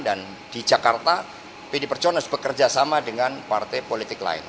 dan di jakarta pd perjuangan harus bekerja sama dengan partai politik lain